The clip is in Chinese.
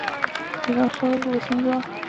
收录五首新歌。